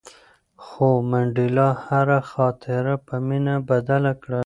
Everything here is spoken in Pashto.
خو منډېلا هره خاطره په مینه بدله کړه.